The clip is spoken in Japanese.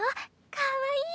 かわいい。